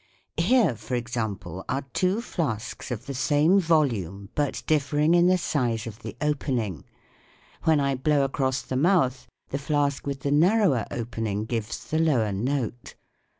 Here, for example, are two flasks of the same volume but differ ing in the size of the opening ; when I blow across the mouth the flask with the narrower opening gives the lower note.